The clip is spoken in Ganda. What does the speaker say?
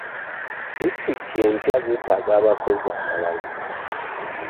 Disitulikiti empya zeetaaga abakozi abalala.